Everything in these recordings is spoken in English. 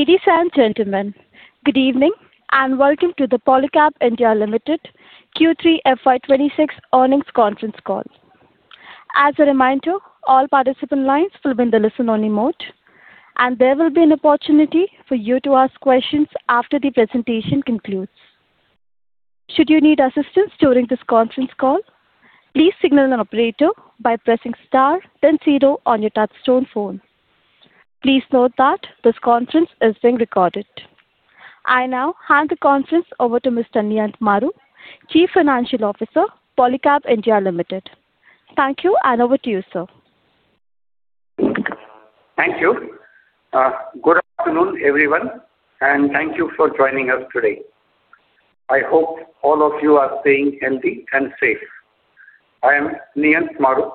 Ladies and gentlemen, good evening and welcome to the Polycab India Limited Q3 FY26 Earnings Conference Call. As a reminder, all participant lines will be in the listen-only mode, and there will be an opportunity for you to ask questions after the presentation concludes. Should you need assistance during this conference call, please signal an operator by pressing star then zero on your touchtone phone. Please note that this conference is being recorded. I now hand the conference over to Mr. Niyant Maru, Chief Financial Officer, Polycab India Limited. Thank you, and over to you, sir. Thank you. Good afternoon, everyone, and thank you for joining us today. I hope all of you are staying healthy and safe. I am Niyant Maru,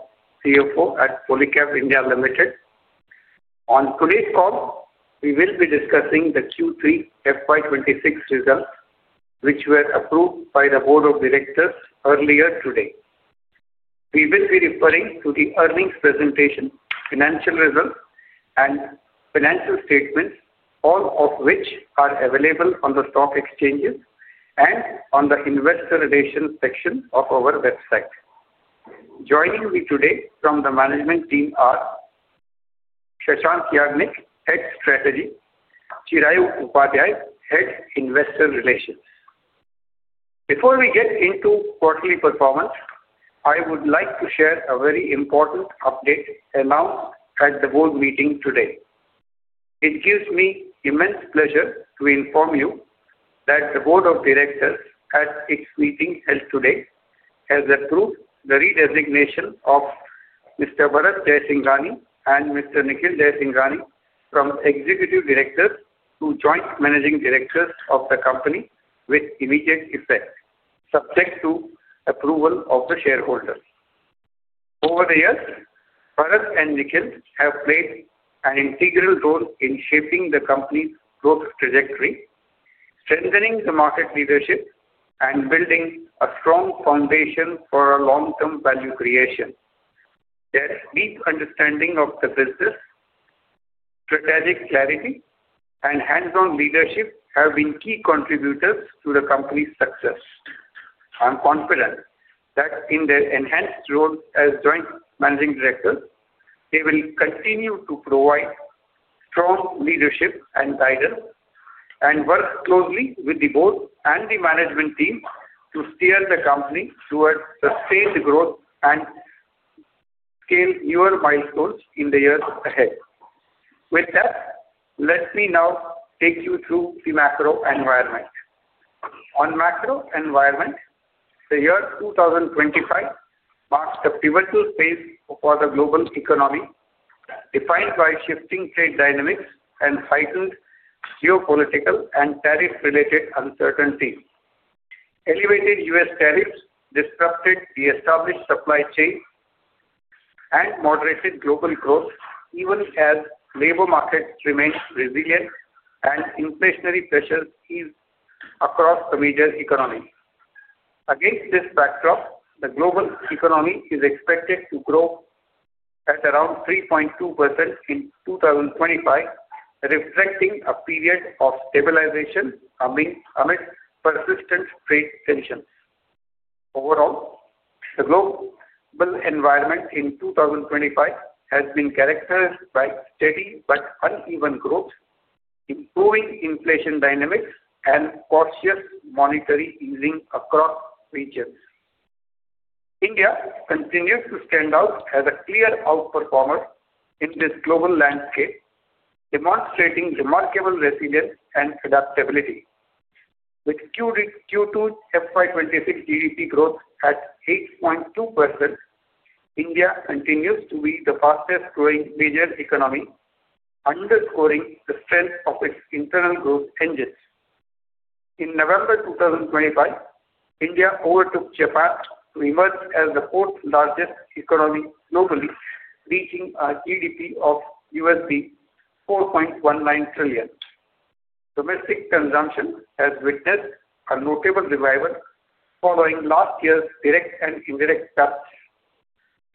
CFO at Polycab India Limited. On today's call, we will be discussing the Q3 FY26 results, which were approved by the Board of Directors earlier today. We will be referring to the earnings presentation, financial results, and financial statements, all of which are available on the stock exchanges and on the investor relations section of our website. Joining me today from the management team are Shashank Yagnick, Head Strategy, Chirayu Upadhyaya, Head Investor Relations. Before we get into quarterly performance, I would like to share a very important update announced at the board meeting today. It gives me immense pleasure to inform you that the Board of Directors, at its meeting held today, has approved the re-designation of Mr. Bharat Jaisinghani and Mr. Nikhil Jaisinghani from Executive Directors to Joint Managing Directors of the company with immediate effect, subject to approval of the shareholders. Over the years, Bharat and Nikhil have played an integral role in shaping the company's growth trajectory, strengthening the market leadership, and building a strong foundation for long-term value creation. Their deep understanding of the business, strategic clarity, and hands-on leadership have been key contributors to the company's success. I'm confident that in their enhanced role as Joint Managing Directors, they will continue to provide strong leadership and guidance and work closely with the board and the management team to steer the company towards sustained growth and scale newer milestones in the years ahead. With that, let me now take you through the macro environment. On macro environment, the year 2025 marks a pivotal phase for the global economy defined by shifting trade dynamics and heightened geopolitical and tariff-related uncertainties. Elevated U.S. tariffs disrupted the established supply chain and moderated global growth, even as labor markets remain resilient and inflationary pressures ease across the major economies. Against this backdrop, the global economy is expected to grow at around 3.2% in 2025, reflecting a period of stabilization amid persistent trade tensions. Overall, the global environment in 2025 has been characterized by steady but uneven growth, improving inflation dynamics, and cautious monetary easing across regions. India continues to stand out as a clear outperformer in this global landscape, demonstrating remarkable resilience and adaptability. With Q2 FY26 GDP growth at 8.2%, India continues to be the fastest-growing major economy, underscoring the strength of its internal growth engines. In November 2025, India overtook Japan to emerge as the fourth-largest economy globally, reaching a GDP of $4.19 trillion. Domestic consumption has witnessed a notable revival following last year's direct and indirect taxes.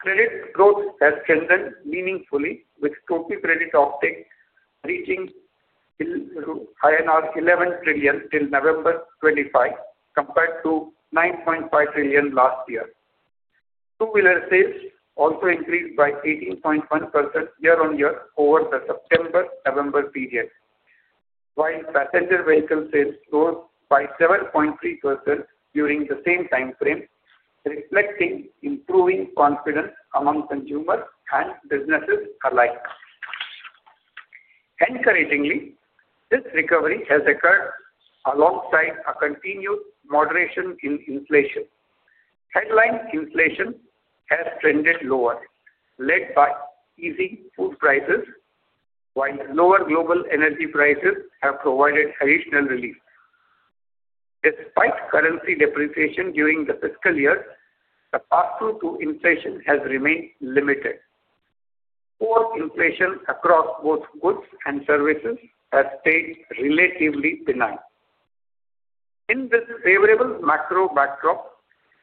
Credit growth has strengthened meaningfully, with total credit uptake reaching 11 trillion till November 2025, compared to 9.5 trillion last year. Two-wheeler sales also increased by 18.1% year-on-year over the September-November period, while passenger vehicle sales rose by 7.3% during the same time frame, reflecting improving confidence among consumers and businesses alike. Encouragingly, this recovery has occurred alongside a continued moderation in inflation. Headline inflation has trended lower, led by easing food prices, while lower global energy prices have provided additional relief. Despite currency depreciation during the fiscal year, the pathway to inflation has remained limited. Overall inflation across both goods and services has stayed relatively benign. In this favorable macro backdrop,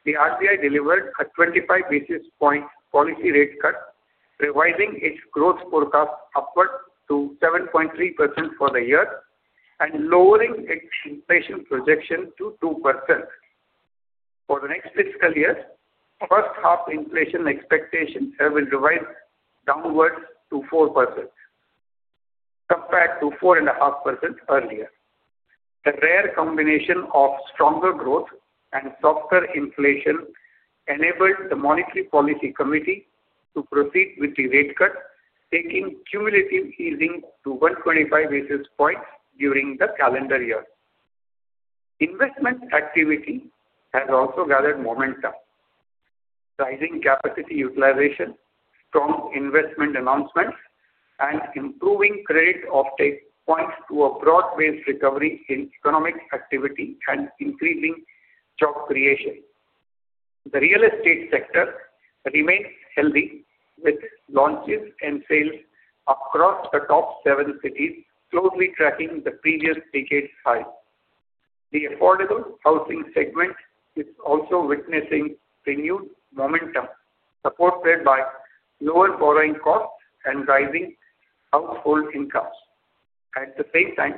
the RBI delivered a 25 basis point policy rate cut, revising its growth forecast upward to 7.3% for the year and lowering its inflation projection to 2%. For the next fiscal year, first-half inflation expectations have been revised downward to 4%, compared to 4.5% earlier. The rare combination of stronger growth and softer inflation enabled the Monetary Policy Committee to proceed with the rate cut, taking cumulative easing to 125 basis points during the calendar year. Investment activity has also gathered momentum, rising capacity utilization, strong investment announcements, and improving credit uptake points to a broad-based recovery in economic activity and increasing job creation. The real estate sector remains healthy, with launches and sales across the top seven cities closely tracking the previous decade's highs. The affordable housing segment is also witnessing renewed momentum, supported by lower borrowing costs and rising household incomes. At the same time,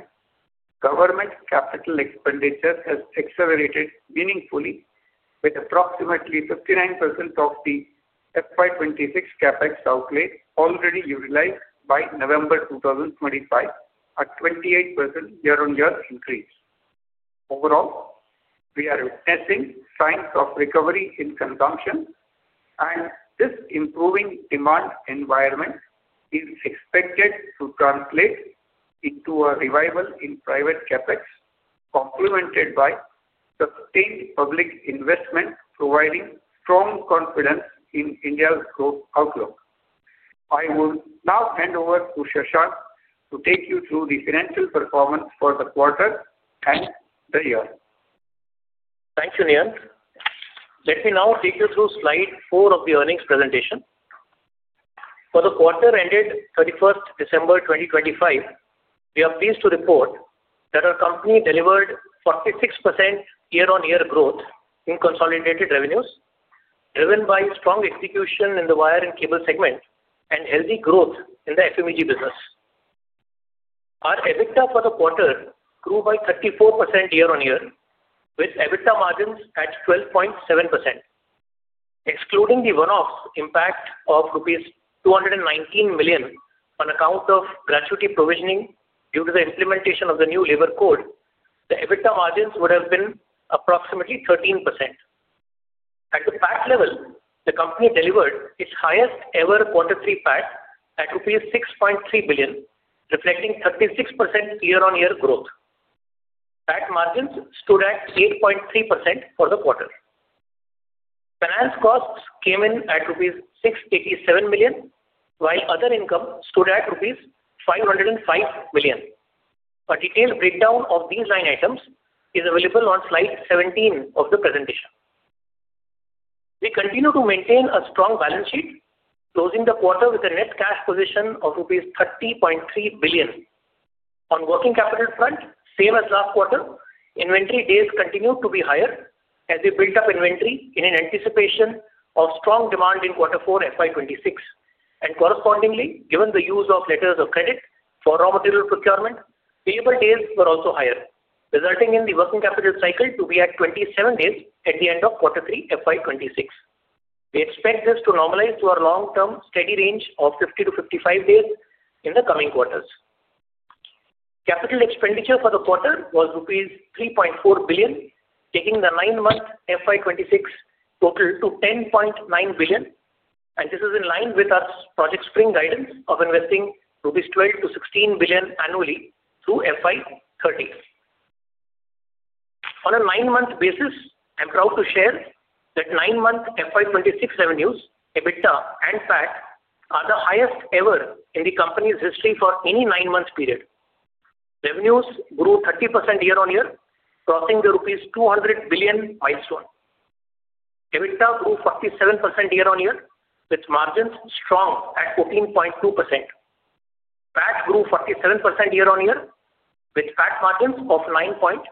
government capital expenditure has accelerated meaningfully, with approximately 59% of the FY26 CapEx outlay already utilized by November 2025, a 28% year-on-year increase. Overall, we are witnessing signs of recovery in consumption, and this improving demand environment is expected to translate into a revival in private CapEx, complemented by sustained public investment, providing strong confidence in India's growth outlook. I will now hand over to Shashank to take you through the financial performance for the quarter and the year. Thank you, Niyant. Let me now take you through slide four of the earnings presentation. For the quarter ended 31st December 2025, we are pleased to report that our company delivered 46% year-on-year growth in consolidated revenues, driven by strong execution in the wire and cable segment and healthy growth in the FMEG business. Our EBITDA for the quarter grew by 34% year-on-year, with EBITDA margins at 12.7%. Excluding the one-off impact of rupees 219 million on account of gratuity provisioning due to the implementation of the new Labor Code, the EBITDA margins would have been approximately 13%. At the PAT level, the company delivered its highest-ever quarter three PAT at INR 6.3 billion, reflecting 36% year-on-year growth. PAT margins stood at 8.3% for the quarter. Finance costs came in at rupees 687 million, while other income stood at rupees 505 million. A detailed breakdown of these line items is available on slide 17 of the presentation. We continue to maintain a strong balance sheet, closing the quarter with a net cash position of rupees 30.3 billion. On working capital front, same as last quarter, inventory days continued to be higher as we built up inventory in anticipation of strong demand in quarter four FY26. Correspondingly, given the use of letters of credit for raw material procurement, payable days were also higher, resulting in the working capital cycle to be at 27 days at the end of quarter three FY26. We expect this to normalize to our long-term steady range of 50-55 days in the coming quarters. Capital expenditure for the quarter was rupees 3.4 billion, taking the nine-month FY26 total to 10.9 billion, and this is in line with our Project Spring guidance of investing 12-16 billion rupees annually through FY30. On a nine-month basis, I'm proud to share that nine-month FY26 revenues, EBITDA, and PAT are the highest ever in the company's history for any nine-month period. Revenues grew 30% year-on-year, crossing the rupees 200 billion milestone. EBITDA grew 47% year-on-year, with margins strong at 14.2%. PAT grew 47% year-on-year, with PAT margins of 9.6%.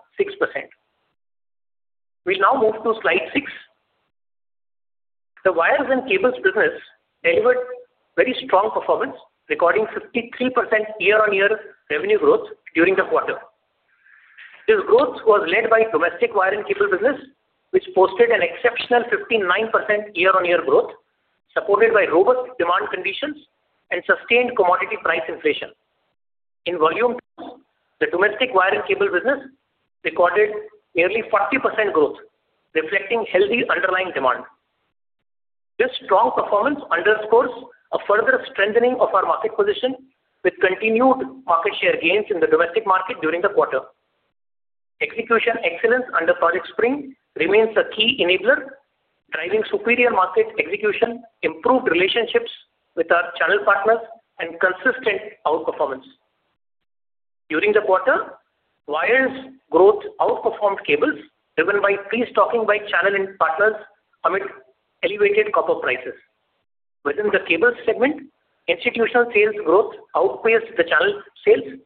We'll now move to slide six. The wires and cables business delivered very strong performance, recording 53% year-on-year revenue growth during the quarter. This growth was led by domestic wire and cable business, which posted an exceptional 59% year-on-year growth, supported by robust demand conditions and sustained commodity price inflation. In volume terms, the domestic wire and cable business recorded nearly 40% growth, reflecting healthy underlying demand. This strong performance underscores a further strengthening of our market position, with continued market share gains in the domestic market during the quarter. Execution excellence under Project Spring remains a key enabler, driving superior market execution, improved relationships with our channel partners, and consistent outperformance. During the quarter, wires growth outperformed cables, driven by pre-stocking by channel partners amid elevated copper prices. Within the cables segment, institutional sales growth outpaced the channel sales,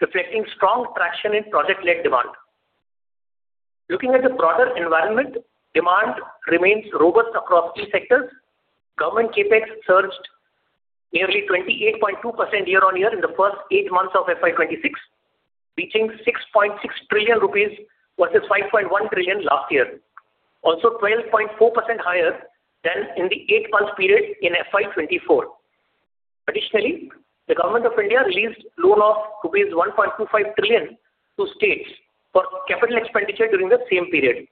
reflecting strong traction in project-led demand. Looking at the broader environment, demand remains robust across key sectors. Government CapEx surged nearly 28.2% year-on-year in the first eight months of FY26, reaching 6.6 trillion rupees versus 5.1 trillion last year, also 12.4% higher than in the eight-month period in FY24. Additionally, the Government of India released loan of rupees 1.25 trillion to states for capital expenditure during the same period.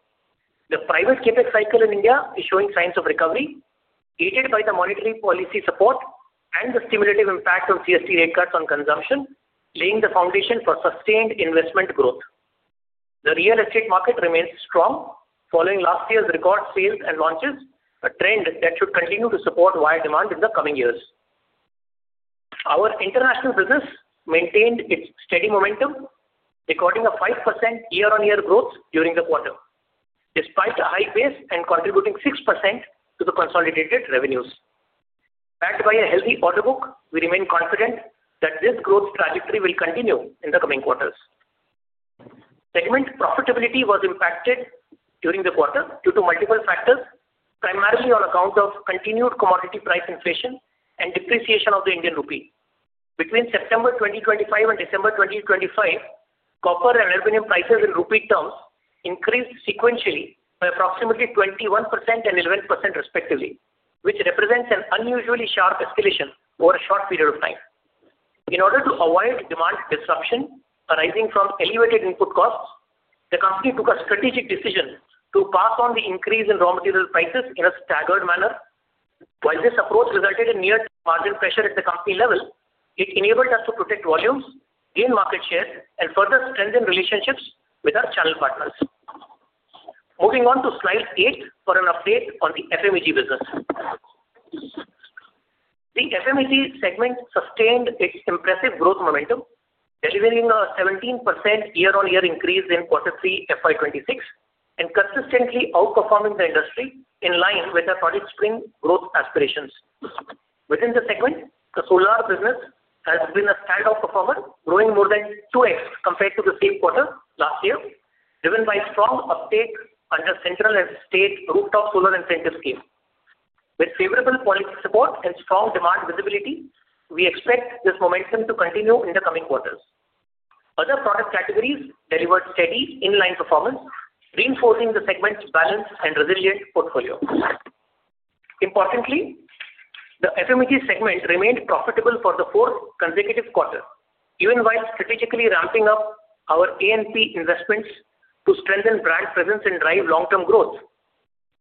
The private CapEx cycle in India is showing signs of recovery, aided by the monetary policy support and the stimulative impact on GST rate cuts on consumption, laying the foundation for sustained investment growth. The real estate market remains strong, following last year's record sales and launches, a trend that should continue to support wire demand in the coming years. Our international business maintained its steady momentum, recording a 5% year-on-year growth during the quarter, despite a high pace and contributing 6% to the consolidated revenues. Backed by a healthy order book, we remain confident that this growth trajectory will continue in the coming quarters. Segment profitability was impacted during the quarter due to multiple factors, primarily on account of continued commodity price inflation and depreciation of the Indian rupee. Between September 2025 and December 2025, copper and aluminum prices in rupee terms increased sequentially by approximately 21% and 11%, respectively, which represents an unusually sharp escalation over a short period of time. In order to avoid demand disruption arising from elevated input costs, the company took a strategic decision to pass on the increase in raw material prices in a staggered manner. While this approach resulted in near-term margin pressure at the company level, it enabled us to protect volumes, gain market share, and further strengthen relationships with our channel partners. Moving on to slide eight for an update on the FMEG business. The FMEG segment sustained its impressive growth momentum, delivering a 17% year-on-year increase in Quarter 3 FY26 and consistently outperforming the industry in line with our Project Spring growth aspirations. Within the segment, the solar business has been a standout performer, growing more than 2x compared to the same quarter last year, driven by strong uptake under central and state rooftop solar incentive scheme. With favorable policy support and strong demand visibility, we expect this momentum to continue in the coming quarters. Other product categories delivered steady inline performance, reinforcing the segment's balanced and resilient portfolio. Importantly, the FMEG segment remained profitable for the fourth consecutive quarter, even while strategically ramping up our A&P investments to strengthen brand presence and drive long-term growth.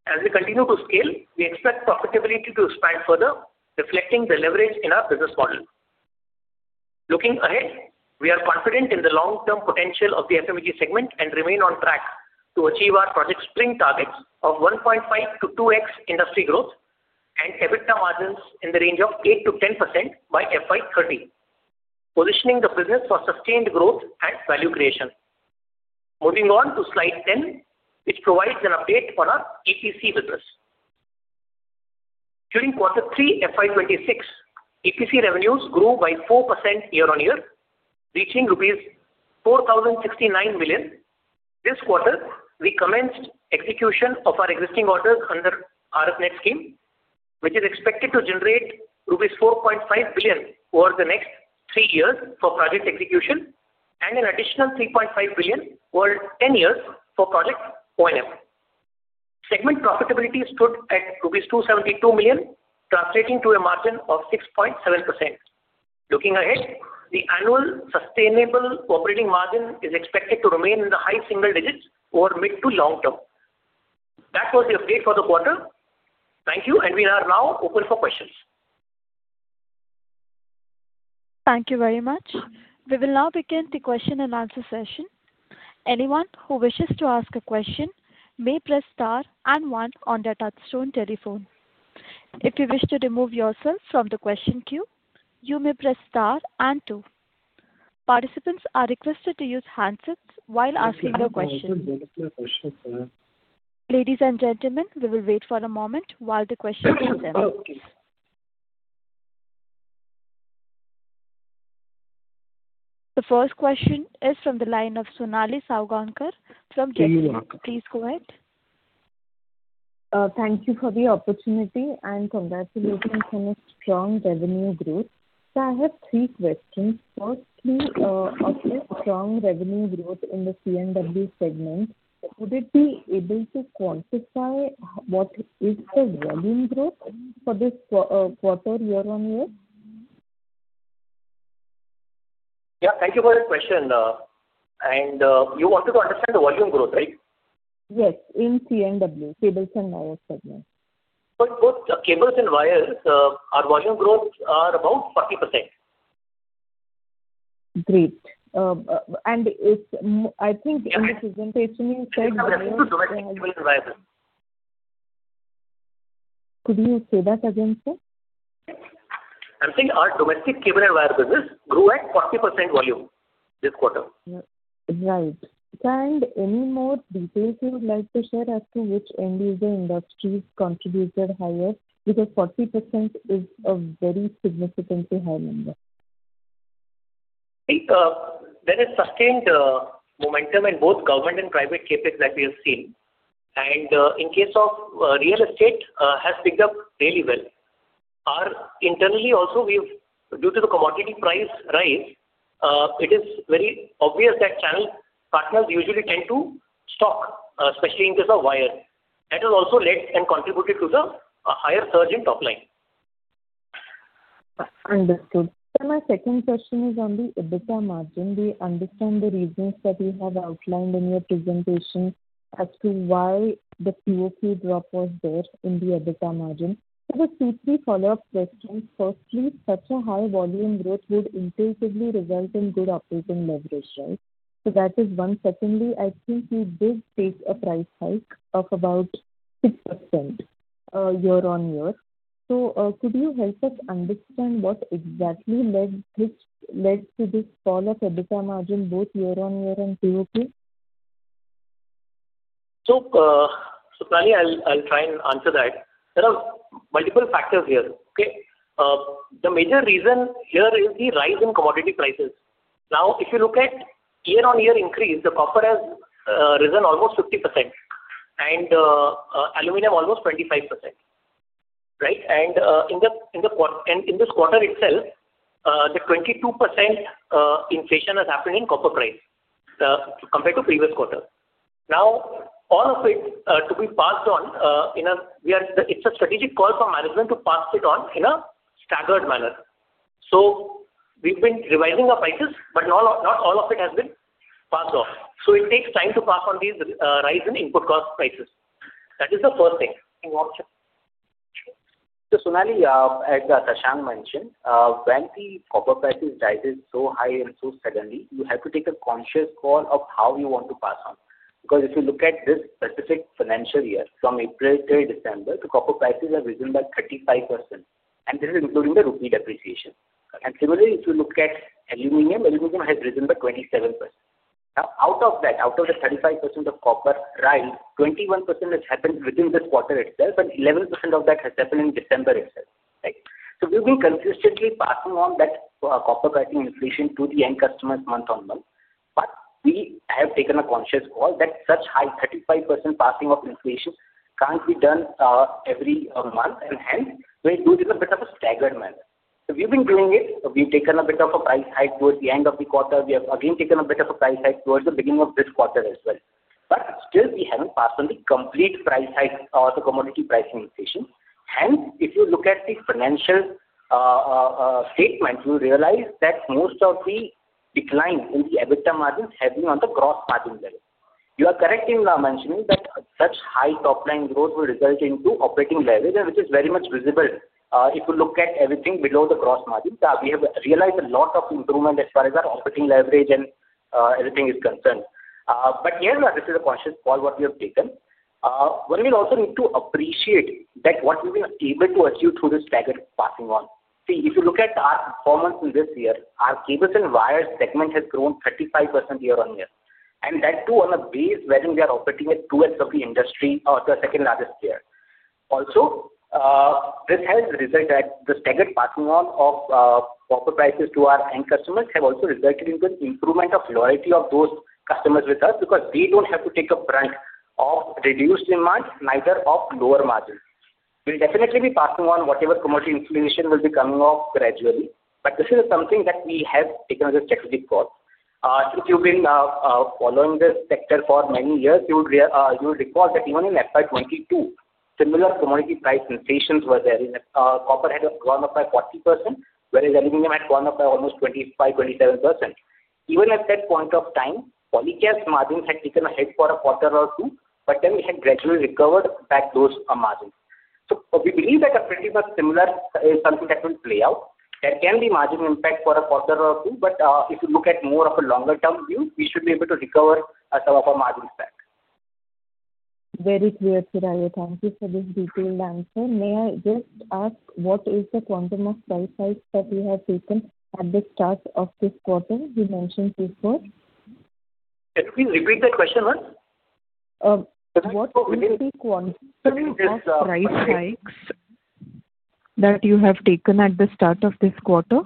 As we continue to scale, we expect profitability to expand further, reflecting the leverage in our business model. Looking ahead, we are confident in the long-term potential of the FMEG segment and remain on track to achieve our Project Spring targets of 1.5-2x industry growth and EBITDA margins in the range of 8%-10% by FY30, positioning the business for sustained growth and value creation. Moving on to slide 10, which provides an update on our EPC business. During quarter three FY26, EPC revenues grew by 4% year-on-year, reaching rupees 4,069 million. This quarter, we commenced execution of our existing orders under AFNET scheme, which is expected to generate rupees 4.5 billion over the next three years for project execution and an additional 3.5 billion over 10 years for NOFN. Segment profitability stood at 272 million rupees, translating to a margin of 6.7%. Looking ahead, the annual sustainable operating margin is expected to remain in the high single digits over mid to long term. That was the update for the quarter. Thank you, and we are now open for questions. Thank you very much. We will now begin the question and answer session. Anyone who wishes to ask a question may press star and one on their touchtone telephone. If you wish to remove yourself from the question queue, you may press star and two. Participants are requested to use handsets while asking their questions. Ladies and gentlemen, we will wait for a moment while the questions are sent. The first question is from the line of Sonali Salgaonkar from Jefferies. Please go ahead. Thank you for the opportunity and congratulations on a strong revenue growth. So I have three questions. Firstly, of the strong revenue growth in the C&W segment, would it be able to quantify what is the volume growth for this quarter year-on-year? Yeah, thank you for the question. And you wanted to understand the volume growth, right? Yes, in C&W, cables and wires segment. For both cables and wires, our volume growth is about 40%. Great. And I think in the presentation you said the volume growth in cable and wire business. Could you say that again, sir? I'm saying our domestic cable and wire business grew at 40% volume this quarter. Right. And any more details you would like to share as to which end-user industries contributed higher? Because 40% is a very significantly high number. There is sustained momentum in both government and private CapEx that we have seen. And in case of real estate, it has picked up really well. Our internally also, due to the commodity price rise, it is very obvious that channel partners usually tend to stock, especially in case of wires. That has also led and contributed to the higher surge in top line. Understood. My second question is on the EBITDA margin. We understand the reasons that you have outlined in your presentation as to why the QoQ drop was there in the EBITDA margin. So the C3 follow-up question, firstly, such a high volume growth would intuitively result in good operating leverage, right? So that is one. Secondly, I think you did take a price hike of about 6% year-on-year. So could you help us understand what exactly led to this fall of EBITDA margin both year-on-year and QoQ? So Sonali, I'll try and answer that. There are multiple factors here. The major reason here is the rise in commodity prices. Now, if you look at year-on-year increase, the copper has risen almost 50% and aluminum almost 25%. Right? And in this quarter itself, the 22% inflation has happened in copper price compared to the previous quarter. Now, all of it to be passed on, it's a strategic call for management to pass it on in a staggered manner. So we've been revising our prices, but not all of it has been passed on. So it takes time to pass on these rise in input cost prices. That is the first thing. So Sonali, as Shashank mentioned, when the copper prices rise so high and so suddenly, you have to take a conscious call of how you want to pass on. Because if you look at this specific financial year from April till December, the copper prices have risen by 35%. And this is including the rupee depreciation. And similarly, if you look at aluminum, aluminum has risen by 27%. Now, out of that, out of the 35% of copper rise, 21% has happened within this quarter itself, and 11% of that has happened in December itself. Right? So we've been consistently passing on that copper pricing inflation to the end customers month on month. But we have taken a conscious call that such high 35% passing of inflation can't be done every month, and hence we do it in a bit of a staggered manner. So we've been doing it. We've taken a bit of a price hike towards the end of the quarter. We have again taken a bit of a price hike towards the beginning of this quarter as well. But still, we haven't passed on the complete price hike of the commodity pricing inflation. Hence, if you look at the financial statement, you'll realize that most of the decline in the EBITDA margins has been on the gross margin level. You are correct in mentioning that such high top line growth will result in operating leverage, which is very much visible if you look at everything below the gross margin. We have realized a lot of improvement as far as our operating leverage and everything is concerned. But yes, this is a conscious call what we have taken. One will also need to appreciate that what we've been able to achieve through this staggered passing on. See, if you look at our performance in this year, our cables and wires segment has grown 35% year-on-year. And that too on a base wherein we are operating at 2x of the industry or the second largest tier. Also, this has resulted that the staggered passing on of copper prices to our end customers have also resulted in the improvement of loyalty of those customers with us because they don't have to take a brunt of reduced demand, neither of lower margin. We'll definitely be passing on whatever commodity inflation will be coming up gradually. But this is something that we have taken as a strategic call. Since you've been following this sector for many years, you will recall that even in FY22, similar commodity price inflations were there. Copper had gone up by 40%, whereas aluminum had gone up by almost 25%, 27%. Even at that point of time, Polycab margins had taken a hit for a quarter or two, but then we had gradually recovered back those margins. So we believe that a pretty much similar is something that will play out. There can be margin impact for a quarter or two, but if you look at more of a longer-term view, we should be able to recover some of our margins back. Very clear, Chirayu. Thank you for this detailed answer. May I just ask, what is the quantum of price hike that we have taken at the start of this quarter you mentioned before? Please repeat that question once. What would be the quantum of price hikes that you have taken at the start of this quarter?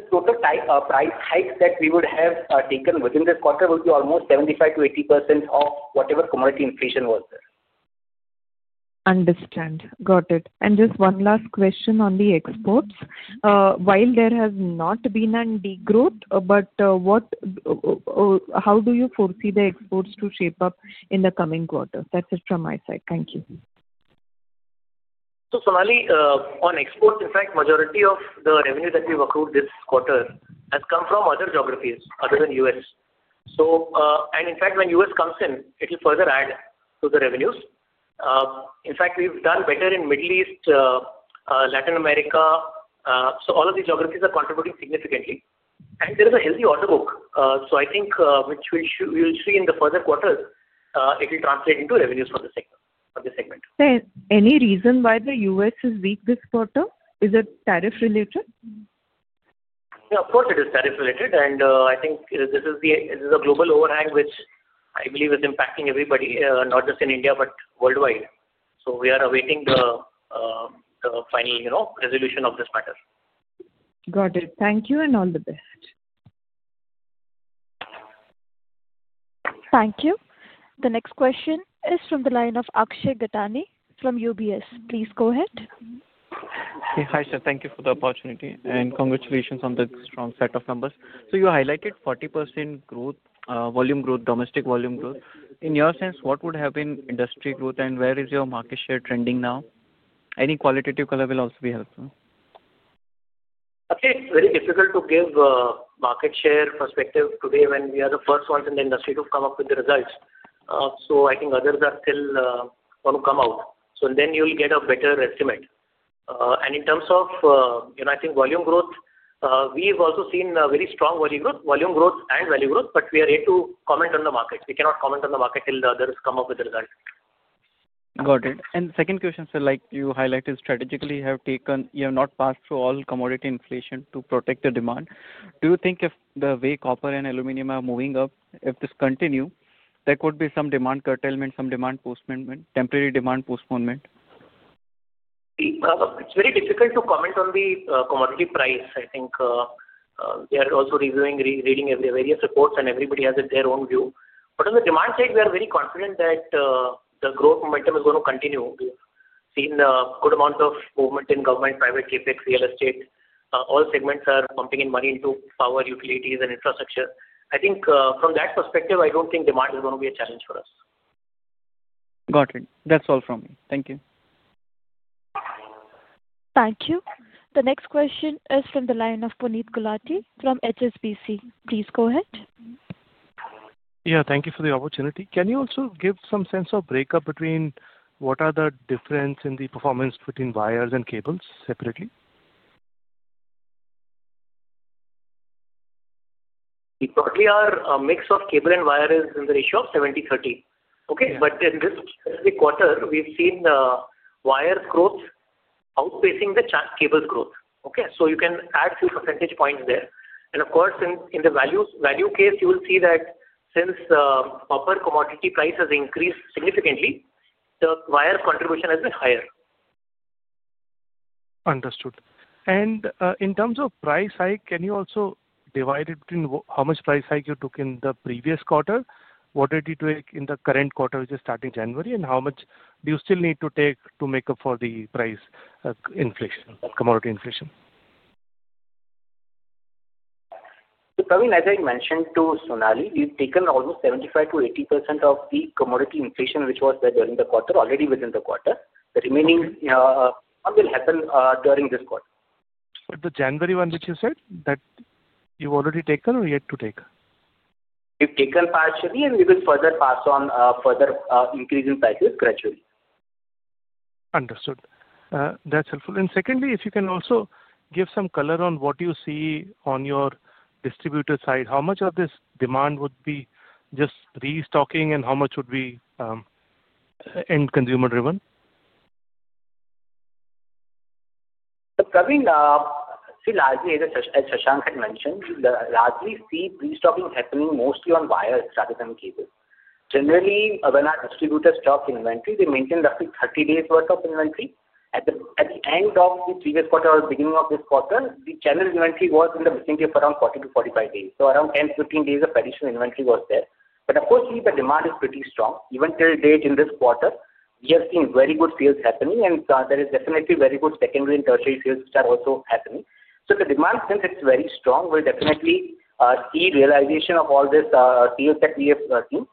The total price hikes that we would have taken within this quarter would be almost 75%-80% of whatever commodity inflation was there. Understood. Got it. And just one last question on the exports. While there has not been any growth, but how do you foresee the exports to shape up in the coming quarter? That's it from my side. Thank you. So Sonali, on exports, in fact, majority of the revenue that we've accrued this quarter has come from other geographies other than the U.S. And in fact, when the U.S. comes in, it will further add to the revenues. In fact, we've done better in the Middle East, Latin America. So all of these geographies are contributing significantly. And there is a healthy order book. So I think which we'll see in the further quarters, it will translate into revenues for the segment. Any reason why the U.S. is weak this quarter? Is it tariff-related? Yeah, of course it is tariff-related. And I think this is a global overhang which I believe is impacting everybody, not just in India, but worldwide. So we are awaiting the final resolution of this matter. Got it. Thank you and all the best. Thank you. The next question is from the line of Akshay Mane from UBS. Please go ahead. Hi, sir. Thank you for the opportunity and congratulations on the strong set of numbers, so you highlighted 40% volume growth, domestic volume growth. In your sense, what would have been industry growth and where is your market share trending now? Any qualitative color will also be helpful. It's very difficult to give market share perspective today when we are the first ones in the industry to come up with the results, so I think others are still going to come out, so then you'll get a better estimate and in terms of, I think, volume growth, we've also seen very strong volume growth, volume growth, and value growth, but we are yet to comment on the market. We cannot comment on the market till others come up with the results. Got it. Second question, sir, like you highlighted, strategically you have not passed through all commodity inflation to protect the demand. Do you think if the way copper and aluminum are moving up, if this continues, there could be some demand curtailment, some demand postponement, temporary demand postponement? It's very difficult to comment on the commodity price. I think we are also reviewing, reading various reports, and everybody has their own view, but on the demand side, we are very confident that the growth momentum is going to continue. We've seen a good amount of movement in government, private CapEx, real estate. All segments are pumping in money into power, utilities, and infrastructure. I think from that perspective, I don't think demand is going to be a challenge for us. Got it. That's all from me. Thank you. Thank you. The next question is from the line of Puneet Gulati from HSBC. Please go ahead. Yeah, thank you for the opportunity. Can you also give some sense of breakup between what are the difference in the performance between wires and cables separately? We probably are a mix of cable and wires in the ratio of 70-30. Okay? But in this specific quarter, we've seen wires growth outpacing the cables growth. Okay? So you can add a few percentage points there. And of course, in the value case, you will see that since copper commodity price has increased significantly, the wire contribution has been higher. Understood. In terms of price hike, can you also divide it between how much price hike you took in the previous quarter, what did you take in the current quarter, which is starting January, and how much do you still need to take to make up for the price inflation, commodity inflation? I mean, as I mentioned to Sonali, we've taken almost 75%-80% of the commodity inflation, which was there during the quarter, already within the quarter. The remaining will happen during this quarter. But the January one, which you said, that you've already taken or yet to take? We've taken partially, and we will further pass on further increasing prices gradually. Understood. That's helpful. Secondly, if you can also give some color on what you see on your distributor side, how much of this demand would be just restocking and how much would be end-consumer driven? Probably, see, largely, as Shashank had mentioned, largely see restocking happening mostly on wires rather than cables. Generally, when our distributors stock inventory, they maintain roughly 30 days' worth of inventory. At the end of the previous quarter or beginning of this quarter, the channel inventory was in the beginning of around 40-45 days. Around 10-15 days of additional inventory was there. Of course, see, the demand is pretty strong. Even till date in this quarter, we have seen very good sales happening, and there is definitely very good secondary and tertiary sales which are also happening. So the demand, since it's very strong, will definitely see realization of all this sales that we have seen.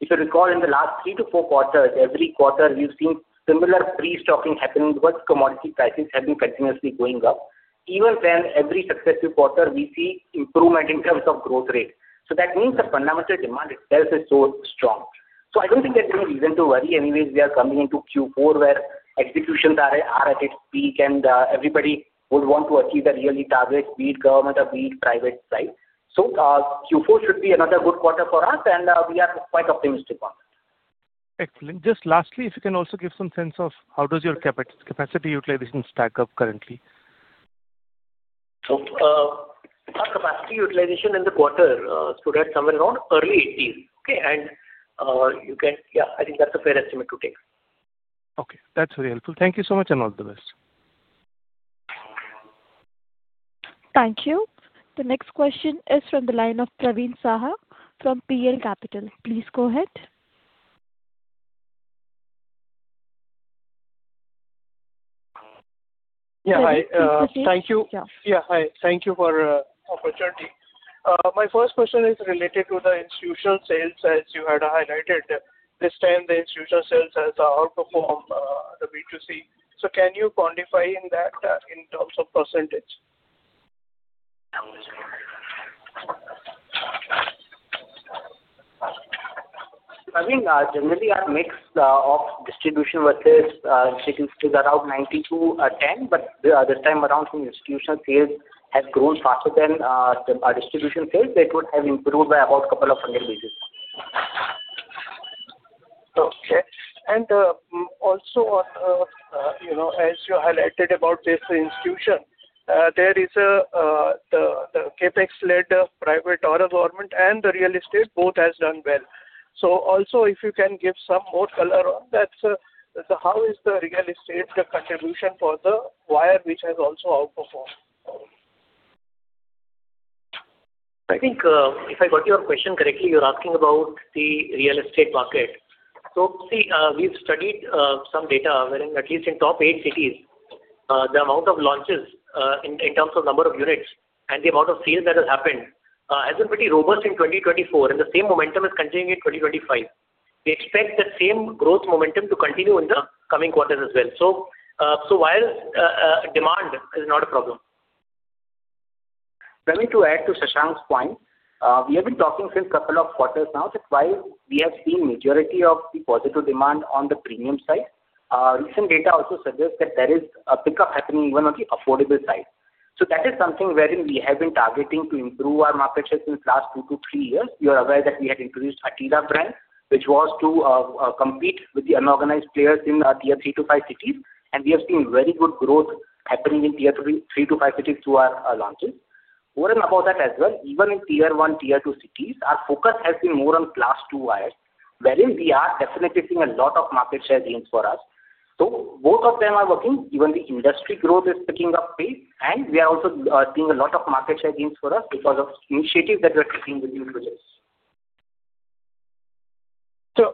If you recall, in the last three to four quarters, every quarter, we've seen similar pre-stocking happening because commodity prices have been continuously going up. Even then, every successive quarter, we see improvement in terms of growth rate. So that means the fundamental demand itself is so strong. So I don't think there's any reason to worry. Anyways, we are coming into Q4 where executions are at its peak, and everybody would want to achieve the real target spend, government and private side. So Q4 should be another good quarter for us, and we are quite optimistic on that. Excellent. Just lastly, if you can also give some sense of how does your capacity utilization stack up currently? So our capacity utilization in the quarter stood at somewhere around early 80s. Okay? And yeah, I think that's a fair estimate to take. Okay. That's very helpful. Thank you so much and all the best. Thank you. The next question is from the line of Praveen Sahay from PL Capital. Please go ahead. Yeah, thank you. Yeah, hi. Thank you for the opportunity. My first question is related to the institutional sales, as you had highlighted. This time, the institutional sales has outperformed the B2C. So can you quantify that in terms of percentage? I mean, generally, our mix of distribution versus institutional sales are around 90%-10%, but this time around, institutional sales have grown faster than our distribution sales. It would have improved by about a couple of hundred basis points. Okay. Also, as you highlighted about this institution, there is the CapEx-led private or government and the real estate both has done well. So also, if you can give some more color on that, how is the real estate contribution for the wire, which has also outperformed? I think if I got your question correctly, you're asking about the real estate market. So see, we've studied some data where, at least in top eight cities, the amount of launches in terms of number of units and the amount of sales that has happened has been pretty robust in 2024, and the same momentum is continuing in 2025. We expect that same growth momentum to continue in the coming quarters as well. So wire demand is not a problem. I mean, to add to Shashank's point, we have been talking since a couple of quarters now that while we have seen majority of the positive demand on the premium side, recent data also suggests that there is a pickup happening even on the affordable side. So that is something wherein we have been targeting to improve our market share since last two to three years. You are aware that we had introduced Etira brand, which was to compete with the unorganized players in tier three to five cities. And we have seen very good growth happening in tier three to five cities through our launches. More than about that as well, even in tier one, tier two cities, our focus has been more on Class 2 wires, wherein we are definitely seeing a lot of market share gains for us. So both of them are working. Even the industry growth is picking up pace, and we are also seeing a lot of market share gains for us because of initiatives that we are taking with these projects. So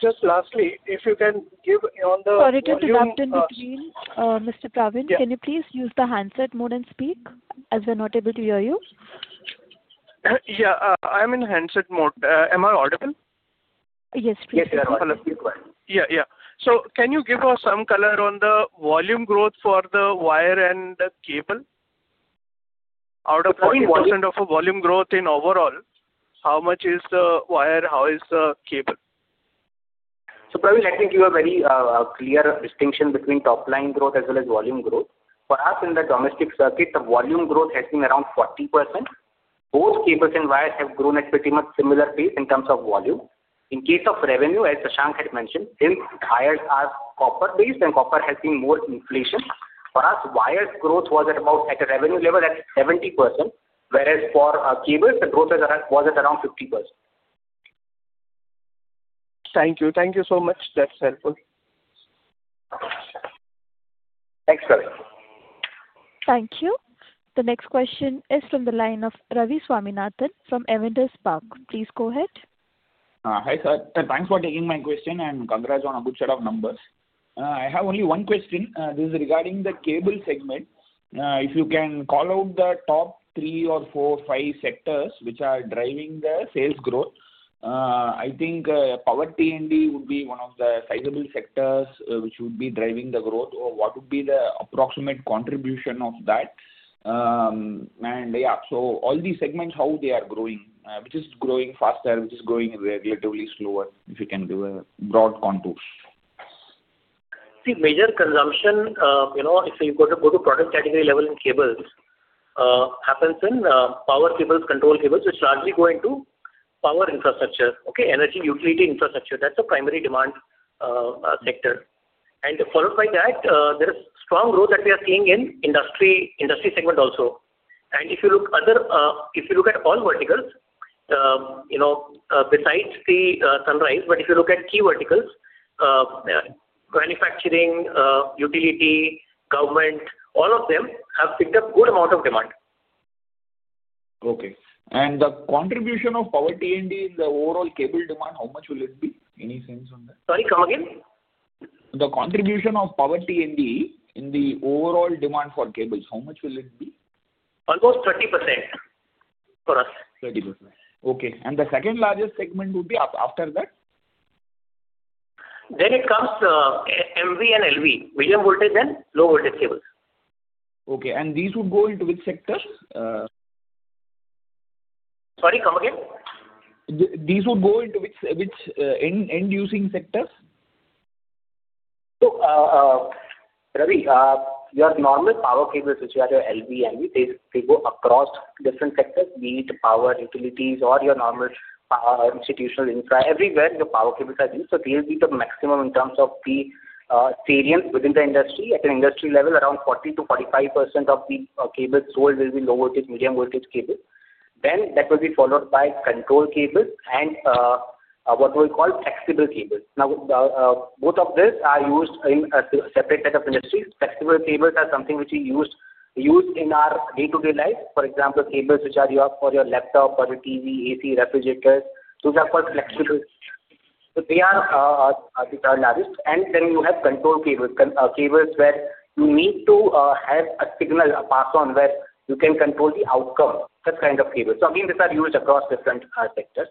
just lastly, if you can give on the - Sorry to interrupt in between, Mr. Praveen, can you please use the handset mode and speak as we're not able to hear you? Yeah, I'm in handset mode. Am I audible? Yes, please. Yes, you are audible. Yeah, yeah. So can you give us some color on the volume growth for the wire and the cable? Out of the 10% of the volume growth in overall, how much is the wire, how is the cable? So Praveen, let me give a very clear distinction between top-line growth as well as volume growth. For us in the domestic circuit, the volume growth has been around 40%. Both cables and wires have grown at pretty much similar pace in terms of volume. In case of revenue, as Shashank had mentioned, since wires are copper-based and copper has seen more inflation, for us, wire growth was at a revenue level at 70%, whereas for cables, the growth was at around 50%. Thank you. Thank you so much. That's helpful. Thanks, sir. Thank you. The next question is from the line of Ravi Swaminathan from Avendus Spark. Please go ahead. Hi, sir. Thanks for taking my question, and congrats on a good set of numbers. I have only one question. This is regarding the cable segment. If you can call out the top three or four, five sectors which are driving the sales growth, I think power T&D would be one of the sizable sectors which would be driving the growth. What would be the approximate contribution of that? Yeah, so all these segments, how they are growing, which is growing faster, which is growing relatively slower, if you can give a broad contour. See, major consumption, if you go to product category level in cables, happens in power cables, control cables, which largely go into power infrastructure. Okay? Energy utility infrastructure. That's the primary demand sector. Followed by that, there is strong growth that we are seeing in industry segment also. If you look at all verticals, besides the sunrise, but if you look at key verticals, manufacturing, utility, government, all of them have picked up a good amount of demand. Okay. The contribution of power T&D in the overall cable demand, how much will it be? Any sense on that? Sorry, come again? The contribution of power T&D in the overall demand for cables, how much will it be? Almost 30% for us. 30%. Okay. And the second largest segment would be after that? Then it comes to MV and LV, medium voltage and low voltage cables. Okay. And these would go into which sectors? Sorry, come again? These would go into which end-using sectors? So Ravi, your normal power cables, which are MV and LV, they go across different sectors. Be it power, utilities, or your normal institutional infra, everywhere your power cables are used. So they will be the maximum in terms of the variance within the industry. At an industry level, around 40%-45% of the cables sold will be low voltage, medium voltage cables. Then that will be followed by control cables and what we call flexible cables. Now, both of these are used in a separate set of industries. Flexible cables are something which is used in our day-to-day life. For example, cables which are used for your laptop, for your TV, AC, refrigerators. Those are called flexible. So they are the largest. And then you have control cables, cables where you need to have a signal, a pass-on where you can control the outcome. That kind of cable. So again, these are used across different sectors.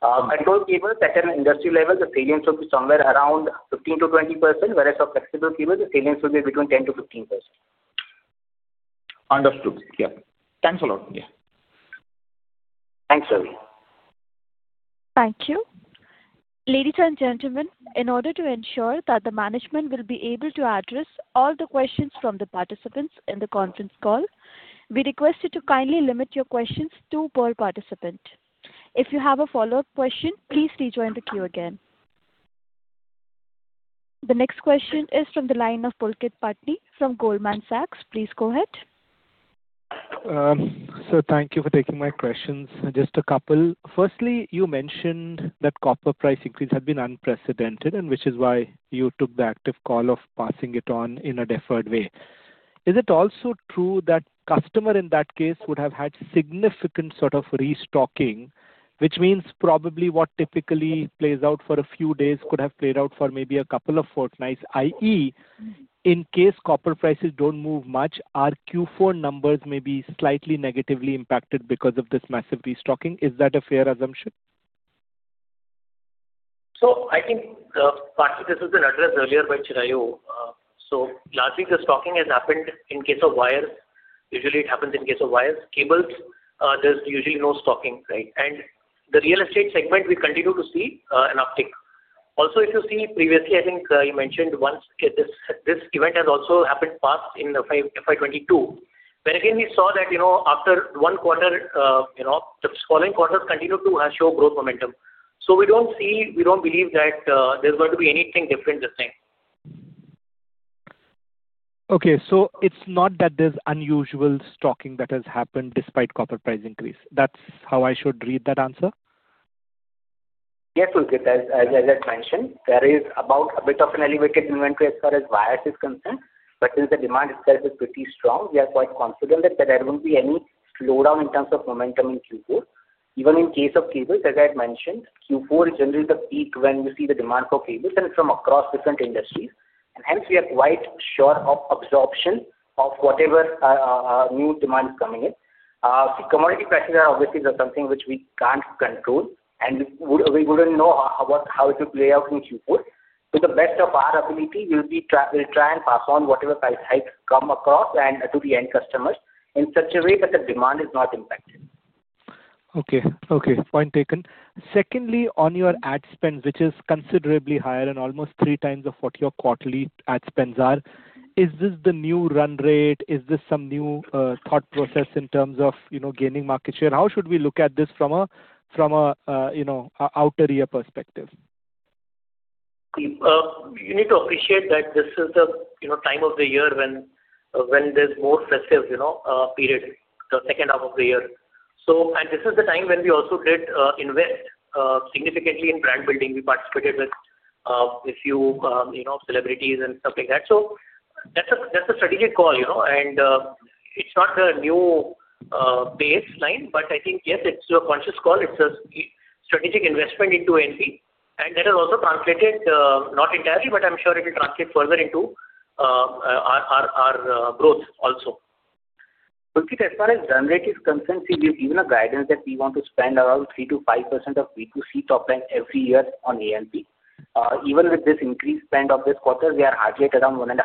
Control cables at an industry level, the salience will be somewhere around 15%-20%, whereas for flexible cables, the salience will be between 10%-15%. Understood. Yeah. Thanks a lot. Yeah. Thanks, Ravi. Thank you. Ladies and gentlemen, in order to ensure that the management will be able to address all the questions from the participants in the conference call, we request you to kindly limit your questions to per participant. If you have a follow-up question, please rejoin the queue again. The next question is from the line of Pulkit Patni from Goldman Sachs. Please go ahead. So thank you for taking my questions. Just a couple. Firstly, you mentioned that copper price increase had been unprecedented, which is why you took the active call of passing it on in a deferred way. Is it also true that customer in that case would have had significant sort of restocking, which means probably what typically plays out for a few days could have played out for maybe a couple of fortnights, i.e., in case copper prices don't move much, our Q4 numbers may be slightly negatively impacted because of this massive restocking. Is that a fair assumption? So I think partly this was addressed earlier by Chirayu. So largely, the stocking has happened in case of wires. Usually, it happens in case of wires. Cables, there's usually no stocking, right? The real estate segment, we continue to see an uptick. Also, if you see previously, I think you mentioned once this event has also happened past in FY22, where again, we saw that after one quarter, the following quarters continued to show growth momentum. We don't see, we don't believe that there's going to be anything different this time. Okay. It's not that there's unusual stocking that has happened despite copper price increase. That's how I should read that answer? Yes, Pulkit, as I had mentioned, there is about a bit of an elevated inventory as far as wires is concerned, but since the demand itself is pretty strong, we are quite confident that there won't be any slowdown in terms of momentum in Q4. Even in case of cables, as I had mentioned, Q4 is generally the peak when we see the demand for cables and from across different industries. And hence, we are quite sure of absorption of whatever new demand is coming in. See, commodity prices are obviously something which we can't control, and we wouldn't know how it would play out in Q4. To the best of our ability, we'll try and pass on whatever price hikes come across and to the end customers in such a way that the demand is not impacted. Okay. Okay. Point taken. Secondly, on your ad spend, which is considerably higher and almost three times of what your quarterly ad spends are, is this the new run rate? Is this some new thought process in terms of gaining market share? How should we look at this from an outer year perspective? You need to appreciate that this is the time of the year when there's more festive period, the second half of the year, and this is the time when we also did invest significantly in brand building. We participated with a few celebrities and stuff like that. So that's a strategic call, and it's not a new baseline, but I think, yes, it's a conscious call. It's a strategic investment into FMEG, and that has also translated not entirely, but I'm sure it will translate further into our growth also. Pulkit, as far as margin concerns, we've given a guidance that we want to spend around 3%-5% of B2C top-line every year on A&P. Even with this increased spend of this quarter, we are hardly at around 1.5%.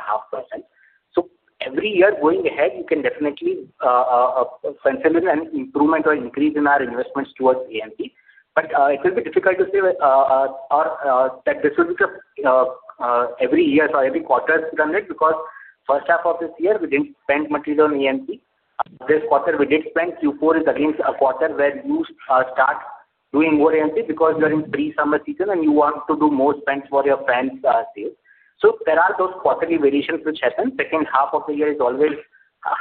So every year going ahead, you can definitely consider an improvement or increase in our investments towards A&P. But it will be difficult to say that this will be every year or every quarter done it because first half of this year, we didn't spend much on A&P. This quarter, we did spend. Q4 is again a quarter where you start doing more A&P because you are in pre-summer season and you want to do more spend for your brand sales. So there are those quarterly variations which happen. Second half of the year is always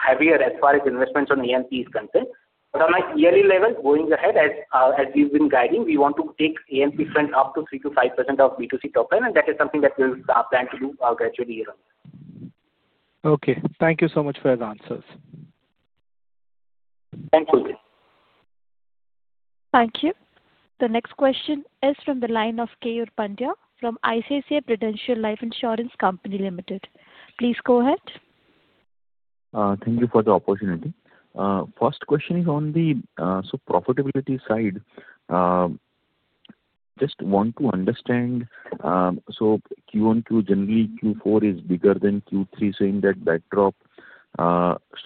heavier as far as investments on A&P is concerned. But on a yearly level, going ahead, as we've been guiding, we want to take A&P spend up to 3%-5% of B2C top-line, and that is something that we'll plan to do gradually year on. Okay. Thank you so much for your answers. Thanks, Pulkit. Thank you. The next question is from the line of Keyur Pandya from ICICI Prudential Life Insurance Company Limited. Please go ahead. Thank you for the opportunity. First question is on the profitability side. Just want to understand, so Q1, Q2, generally Q4 is bigger than Q3, saying that backdrop.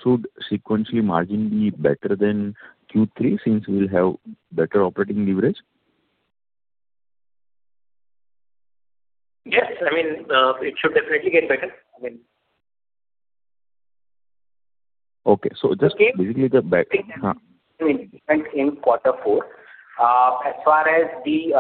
Should sequentially margin be better than Q3 since we'll have better operating leverage? Yes. I mean, it should definitely get better. I mean. Okay. So just basically. I mean, in quarter four. As far as the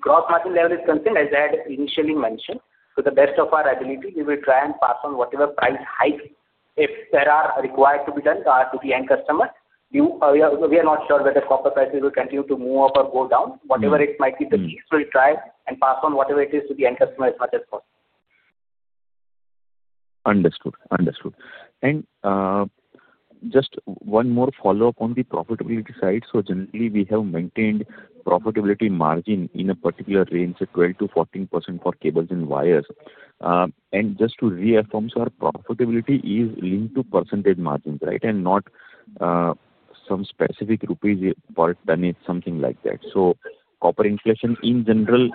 gross margin level is concerned, as I had initially mentioned, to the best of our ability, we will try and pass on whatever price hike if there are required to be done to the end customer. We are not sure whether copper prices will continue to move up or go down. Whatever it might be, the least we'll try and pass on whatever it is to the end customer as much as possible. Understood. Understood. And just one more follow-up on the profitability side. So generally, we have maintained profitability margin in a particular range, 12%-14% for cables and wires. And just to reaffirm, so our profitability is linked to percentage margins, right, and not some specific rupees per tonne, something like that. So copper inflation in general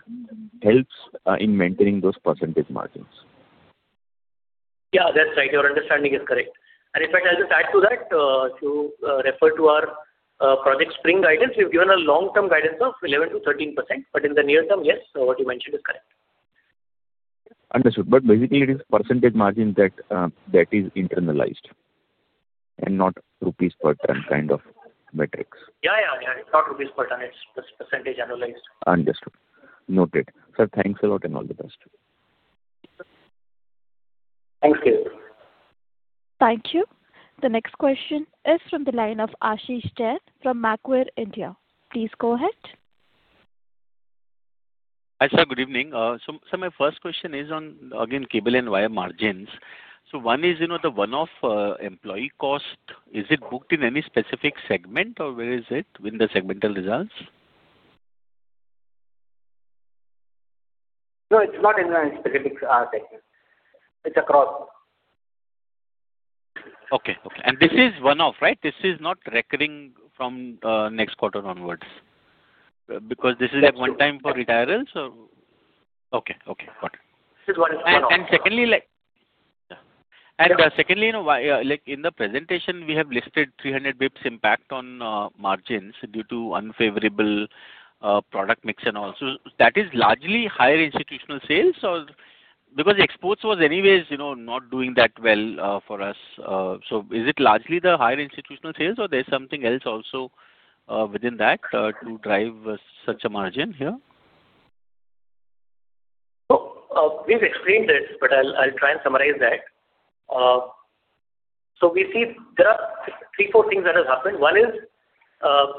helps in maintaining those percentage margins. Yeah, that's right. Your understanding is correct. And if I tell you to add to that, to refer to our Project Spring guidance, we've given a long-term guidance of 11%-13%, but in the near term, yes, what you mentioned is correct. Understood. But basically, it is percentage margin that is internalized and not rupees per tonne kind of metrics. Yeah, yeah, yeah. It's not rupees per ton. It's just percentage analyzed. Understood. Noted. Sir, thanks a lot and all the best. Thanks, Keyur. Thank you. The next question is from the line of Ashish Jain from Macquarie India. Please go ahead. Hi, sir. Good evening. My first question is on, again, cable and wire margins. One is the one-off employee cost. Is it booked in any specific segment or where is it with the segmental results? No, it's not in any specific segment. It's across. Okay. Okay. This is one-off, right? This is not recurring from next quarter onwards because this is at one time for retirals or? Okay. Okay. Got it. And secondly, in the presentation, we have listed 300 basis points impact on margins due to unfavorable product mix and all. So that is largely higher institutional sales or because exports was anyways not doing that well for us. So is it largely the higher institutional sales or there's something else also within that to drive such a margin here? So we've explained this, but I'll try and summarize that. So we see there are three, four things that have happened. One is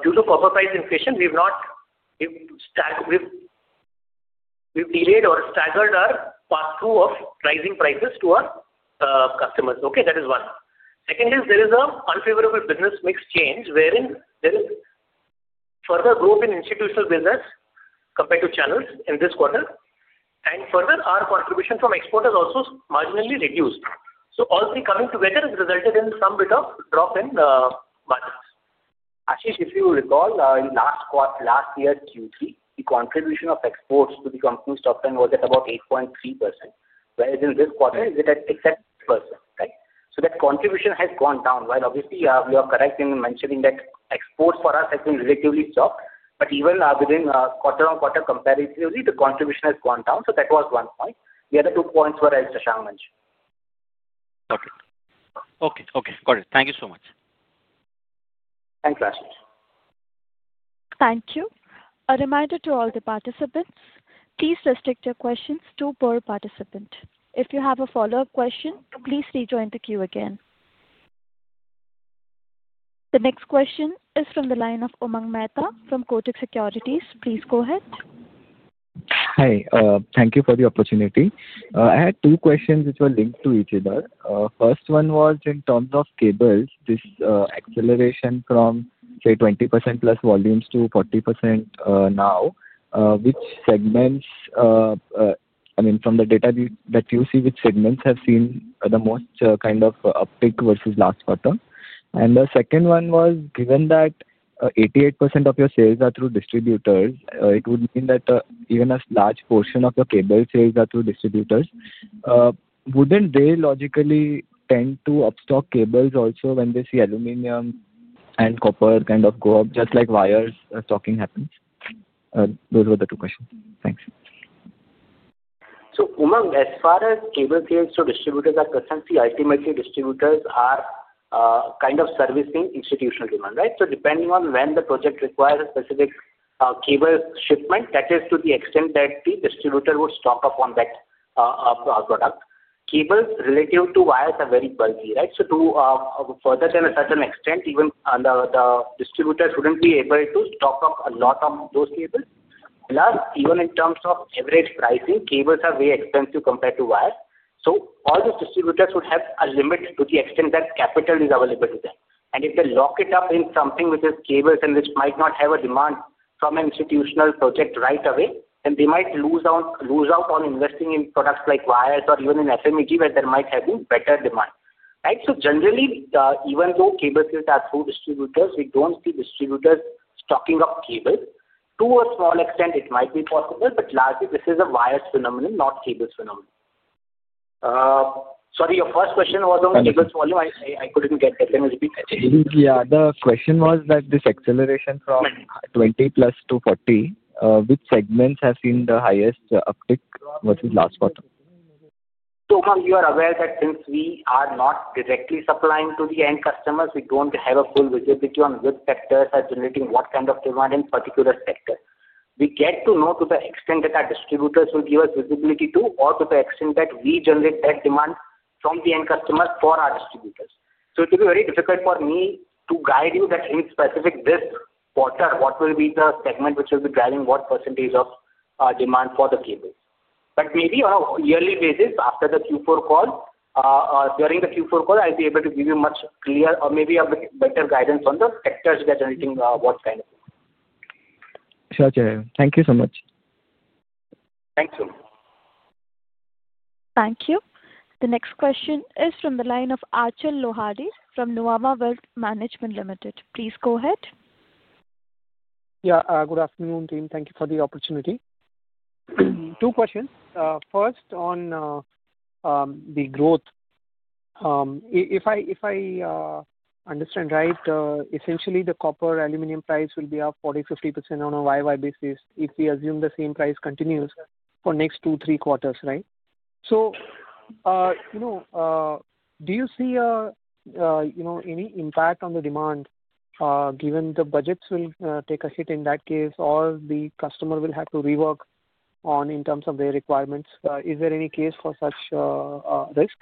due to copper price inflation, we've delayed or staggered our pass-through of rising prices to our customers. Okay? That is one. Second is there is an unfavorable business mix change wherein there is further growth in institutional business compared to channels in this quarter. And further, our contribution from export has also marginally reduced. So all three coming together has resulted in some bit of drop in margins. Ashish, if you recall, last year, Q3, the contribution of exports to the company's top line was at about 8.3%, whereas in this quarter, it is at 6%, right? So that contribution has gone down while obviously you are correct in mentioning that exports for us have been relatively stopped. But even within quarter-on-quarter comparatively, the contribution has gone down. So that was one point. The other two points were as Shashank mentioned. Okay. Okay. Okay. Got it. Thank you so much. Thanks, Ashish. Thank you. A reminder to all the participants, please restrict your questions to per participant. If you have a follow-up question, please rejoin the queue again. The next question is from the line of Umang Mehta from Kotak Securities. Please go ahead. Hi. Thank you for the opportunity. I had two questions which were linked to each other. First one was in terms of cables, this acceleration from, say, 20% plus volumes to 40% now, which segments, I mean, from the data that you see, which segments have seen the most kind of uptick versus last quarter? And the second one was, given that 88% of your sales are through distributors, it would mean that even a large portion of your cable sales are through distributors. Wouldn't they logically tend to upstock cables also when they see aluminum and copper kind of go up just like wires stocking happens? Those were the two questions. Thanks. So Umang, as far as cable sales to distributors are concerned, see, ultimately, distributors are kind of servicing institutional demand, right? So depending on when the project requires a specific cable shipment, that is to the extent that the distributor would stock up on that product. Cables relative to wires are very bulky, right? So, to a further extent than a certain extent, even the distributors wouldn't be able to stock up a lot on those cables. Plus, even in terms of average pricing, cables are very expensive compared to wires. So all these distributors would have a limit to the extent that capital is available to them. And if they lock it up in something which is cables and which might not have a demand from an institutional project right away, then they might lose out on investing in products like wires or even in FMEG where there might have been better demand, right? So generally, even though cable sales are through distributors, we don't see distributors stocking up cables. To a small extent, it might be possible, but largely, this is a wires phenomenon, not cables phenomenon. Sorry, your first question was on cables volume. I couldn't get that. Can you repeat? Yeah. The question was that this acceleration from 20 plus to 40, which segments have seen the highest uptick versus last quarter? So Umang, you are aware that since we are not directly supplying to the end customers, we don't have a full visibility on which sectors are generating what kind of demand in particular sector. We get to know to the extent that our distributors will give us visibility to or to the extent that we generate that demand from the end customers for our distributors. So it will be very difficult for me to guide you that in specific this quarter, what will be the segment which will be driving what percentage of demand for the cables. But maybe on a yearly basis, after the Q4 call, during the Q4 call, I will be able to give you much clearer or maybe a bit better guidance on the sectors that are generating what kind of demand. Sure, Thank you so much. Thanks, Umang. Thank you. The next question is from the line of Achal Lohade from Nuvama Wealth Management Ltd. Please go ahead. Yeah. Good afternoon, team. Thank you for the opportunity. Two questions. First, on the growth. If I understand right, essentially, the copper aluminum price will be up 40%-50% on a YY basis if we assume the same price continues for next two, three quarters, right? So do you see any impact on the demand given the budgets will take a hit in that case or the customer will have to rework in terms of their requirements? Is there any case for such risk?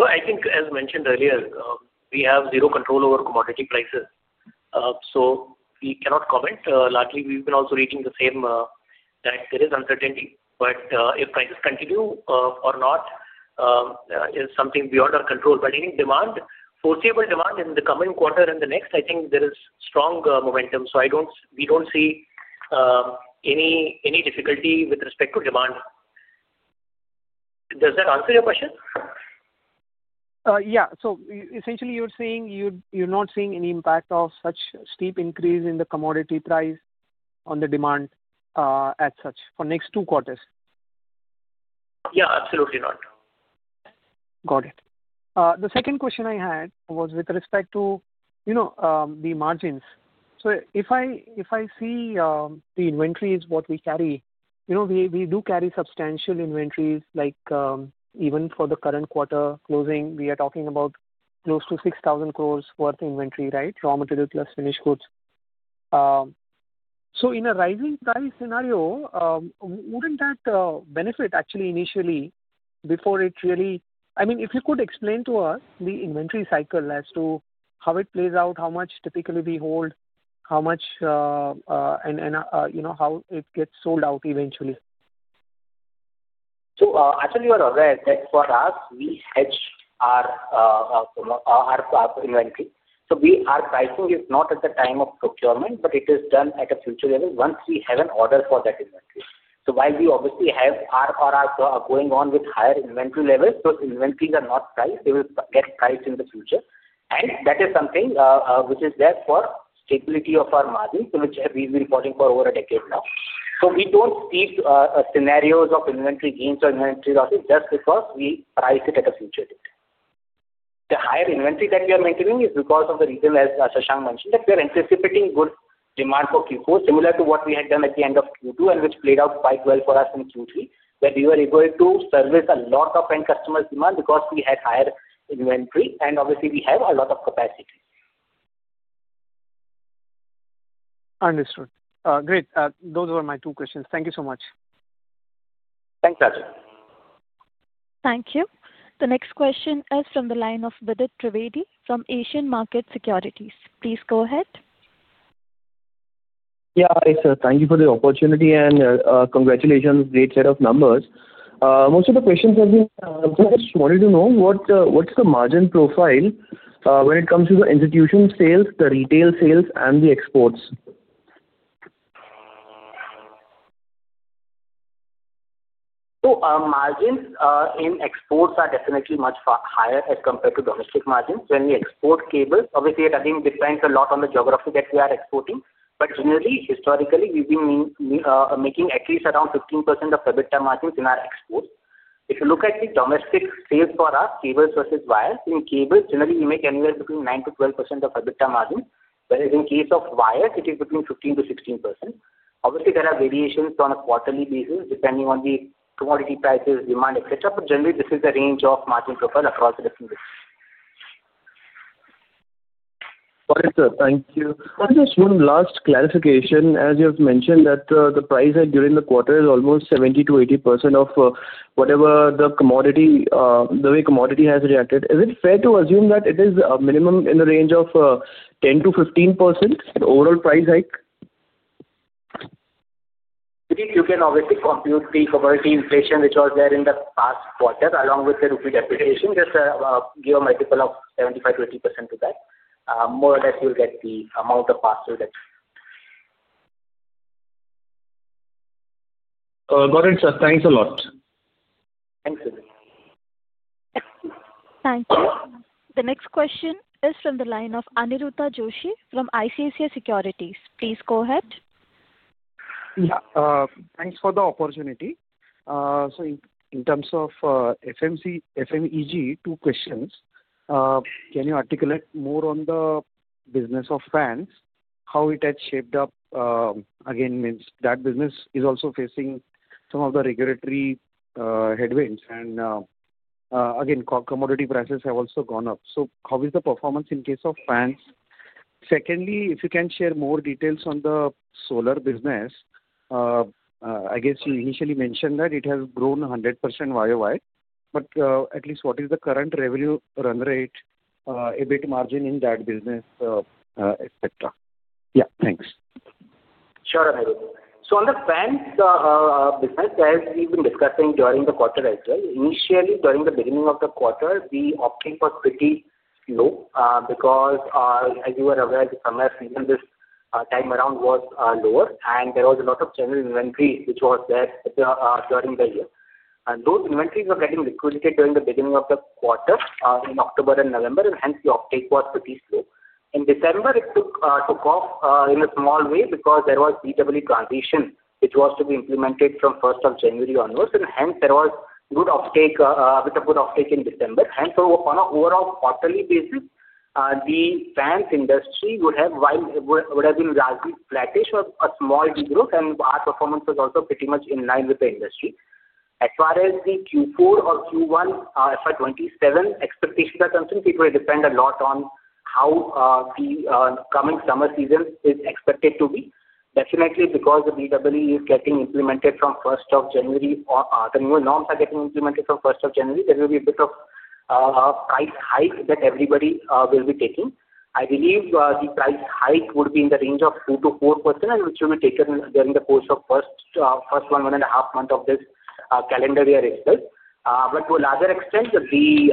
So I think, as mentioned earlier, we have zero control over commodity prices. So we cannot comment. Lately, we've been also reading the same that there is uncertainty, but if prices continue or not is something beyond our control. But any demand, foreseeable demand in the coming quarter and the next, I think there is strong momentum. So we don't see any difficulty with respect to demand. Does that answer your question? Yeah. So essentially, you're saying you're not seeing any impact of such steep increase in the commodity price on the demand as such for next two quarters? Yeah, absolutely not. Got it. The second question I had was with respect to the margins. So if I see the inventories, what we carry, we do carry substantial inventories. Even for the current quarter closing, we are talking about close to 6,000 crores worth of inventory, right? Raw materials plus finished goods. So in a rising price scenario, wouldn't that benefit actually initially before it really, I mean, if you could explain to us the inventory cycle as to how it plays out, how much typically we hold, and how it gets sold out eventually. So Ashish, you are aware that for us, we hedge our inventory. So our pricing is not at the time of procurement, but it is done at a future level once we have an order for that inventory. So while we obviously have our going on with higher inventory levels, those inventories are not priced. They will get priced in the future. And that is something which is there for stability of our margins which we've been reporting for over a decade now. So we don't see scenarios of inventory gains or inventory losses just because we price it at a future date. The higher inventory that we are maintaining is because of the reason as Shashank mentioned that we are anticipating good demand for Q4, similar to what we had done at the end of Q2 and which played out quite well for us in Q3, where we were able to service a lot of end customers' demand because we had higher inventory and obviously, we have a lot of capacity. Understood. Great. Those were my two questions. Thank you so much. Thanks, Achal. Thank you. The next question is from the line of Vidit Trivedi from Asian Market Securities. Please go ahead. Yeah, hi sir. Thank you for the opportunity and congratulations. Great set of numbers. Most of the questions have been answered. I just wanted to know what's the margin profile when it comes to the institutional sales, the retail sales, and the exports? So margins in exports are definitely much higher as compared to domestic margins. When we export cables, obviously, I think it depends a lot on the geography that we are exporting. But generally, historically, we've been making at least around 15% of EBITDA margins in our exports. If you look at the domestic sales for our cables versus wires, in cables, generally, we make anywhere between 9%-12% of EBITDA margins. Whereas in case of wires, it is between 15%-16%. Obviously, there are variations on a quarterly basis depending on the commodity prices, demand, etc. But generally, this is the range of margin profile across the different regions. Got it, sir. Thank you. Just one last clarification. As you have mentioned that the price hike during the quarter is almost 70%-80% of whatever the commodity, the way commodity has reacted. Is it fair to assume that it is a minimum in the range of 10%-15% overall price hike? You can obviously compute the commodity inflation which was there in the past quarter along with the rupee depreciation. Just give a multiple of 75%-80% to that. More or less, you'll get the amount of pass-through that. Got it, sir. Thanks a lot. Thank you. Thank you. The next question is from the line of Aniruddha Joshi from ICICI Securities. Please go ahead. Yeah. Thanks for the opportunity. So in terms of FMEG, two questions. Can you articulate more on the business of fans, how it has shaped up? Again, that business is also facing some of the regulatory headwinds. And again, commodity prices have also gone up. So how is the performance in case of fans? Secondly, if you can share more details on the solar business. I guess you initially mentioned that it has grown 100% YY. But at least what is the current revenue run rate, EBIT margin in that business, etc.? Yeah. Thanks. Sure, Aniruddha. So on the fans business, as we've been discussing during the quarter as well, initially, during the beginning of the quarter, the uptake was pretty low because, as you are aware, the summer season this time around was lower, and there was a lot of general inventory which was there during the year. And those inventories were getting liquidated during the beginning of the quarter in October and November, and hence the uptake was pretty slow. In December, it took off in a small way because there was BEE transition which was to be implemented from 1st of January onwards, and hence, there was good uptake, a bit of good uptake in December. Hence, on an overall quarterly basis, the fans industry would have been largely flattish or a small regroup, and our performance was also pretty much in line with the industry. As far as the Q4 or Q1, as far as 27 expectations are concerned, it will depend a lot on how the coming summer season is expected to be. Definitely, because the BEE is getting implemented from 1st of January, the newer norms are getting implemented from 1st of January, there will be a bit of price hike that everybody will be taking. I believe the price hike would be in the range of 2%-4%, which will be taken during the course of 1st one, 1 and a half months of this calendar year as well. But to a larger extent, the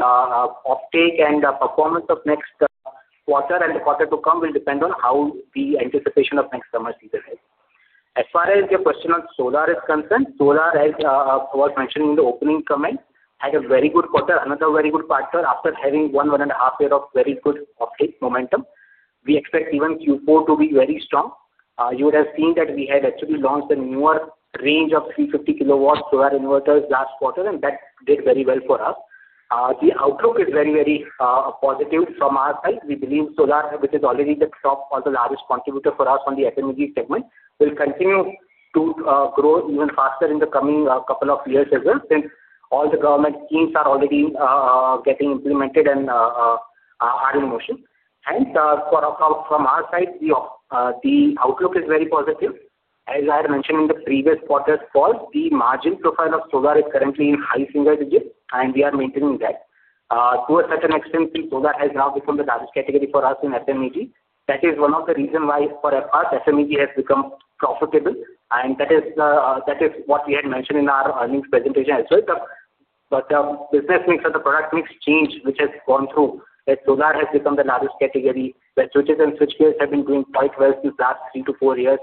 uptake and performance of next quarter and the quarter to come will depend on how the anticipation of next summer season is. As far as your question on solar is concerned, solar, as I was mentioning in the opening comment, had a very good quarter, another very good quarter. After having one and a half years of very good uptake momentum, we expect even Q4 to be very strong. You would have seen that we had actually launched a newer range of 350 kilowatts solar inverters last quarter, and that did very well for us. The outlook is very, very positive from our side. We believe solar, which is already the top, also the largest contributor for us on the FMEG segment, will continue to grow even faster in the coming couple of years as well since all the government schemes are already getting implemented and are in motion. Hence, from our side, the outlook is very positive. As I had mentioned in the previous quarters, the margin profile of solar is currently in high single digits, and we are maintaining that. To a certain extent, solar has now become the largest category for us in FMEG. That is one of the reasons why for us, FMEG has become profitable. And that is what we had mentioned in our earnings presentation as well. The business mix or the product mix change which has gone through, that solar has become the largest category. Switches and switchgears have been doing quite well since last three to four years.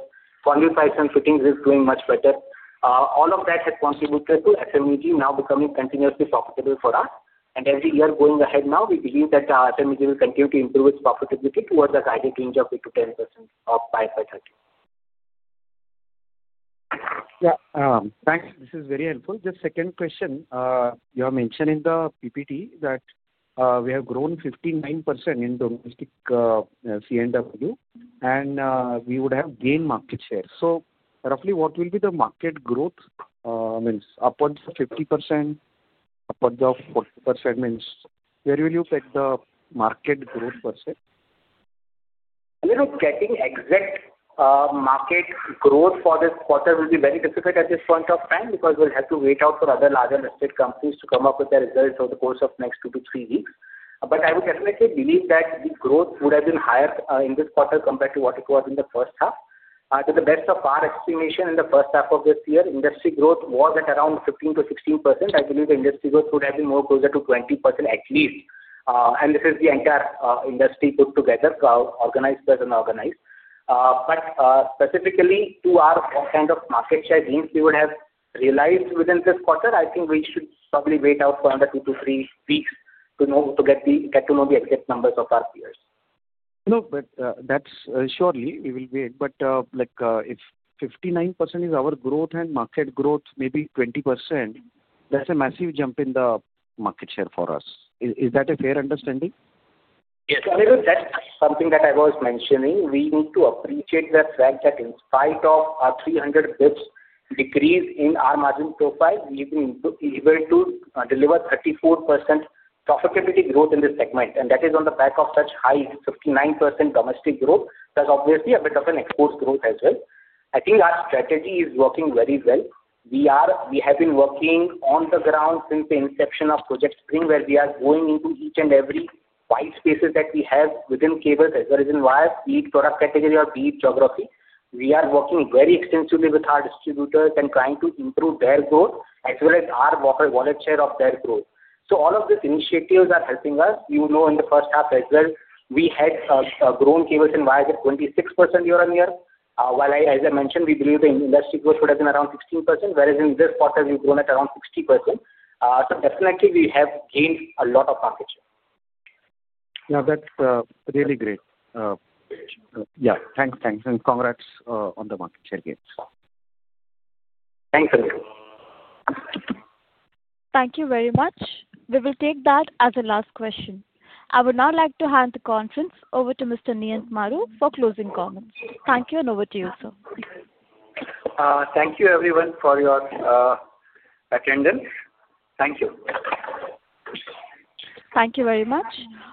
Conduit pipes and fittings are doing much better. All of that has contributed to FMEG now becoming continuously profitable for us. And every year going ahead now, we believe that FMEG will continue to improve its profitability towards a guided range of 8%-10% of FY30. Yeah. Thanks. This is very helpful. Just second question. You have mentioned in the PPT that we have grown 59% in domestic C&W, and we would have gained market share. So roughly, what will be the market growth means upwards of 50%, upwards of 40% means? Where will you pick the market growth per se? Getting exact market growth for this quarter will be very difficult at this point of time because we'll have to wait out for other larger listed companies to come up with their results over the course of next two to three weeks. But I would definitely believe that the growth would have been higher in this quarter compared to what it was in the first half. To the best of our estimation in the first half of this year, industry growth was at around 15%-16%. I believe the industry growth would have been more closer to 20% at least. And this is the entire industry put together, organized plus unorganized. But specifically to our kind of market share gains, we would have realized within this quarter. I think we should probably wait out for another two to three weeks to get to know the exact numbers of our peers. No, but that's surely we will wait. But if 59% is our growth and market growth maybe 20%, that's a massive jump in the market share for us. Is that a fair understanding? Yes. That's something that I was mentioning. We need to appreciate the fact that in spite of a 300 basis points decrease in our margin profile, we've been able to deliver 34% profitability growth in this segment. And that is on the back of such high 59% domestic growth. There's obviously a bit of an export growth as well. I think our strategy is working very well. We have been working on the ground since the inception of Project Spring, where we are going into each and every white spaces that we have within cables as well as in wire, be it product category or be it geography. We are working very extensively with our distributors and trying to improve their growth as well as our wallet share of their growth. So all of these initiatives are helping us. You know, in the first half as well, we had grown cables and wires at 26% year on year. While, as I mentioned, we believe the industry growth would have been around 16%, whereas in this quarter, we've grown at around 60%. So definitely, we have gained a lot of market share. Yeah, that's really great. Yeah. Thanks. Thanks. And congrats on the market share gains. Thanks, Aniruddha. Thank you very much. We will take that as a last question. I would now like to hand the conference over to Mr. Niyant Maru for closing comments. Thank you, and over to you, sir. Thank you, everyone, for your attendance. Thank you. Thank you very much.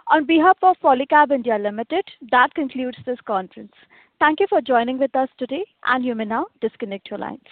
On behalf of Polycab India Limited, that concludes this conference. Thank you for joining with us today, and you may now disconnect your lines.